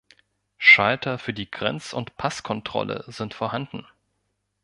Schalter für die Grenz- und Passkontrolle sind vorhanden.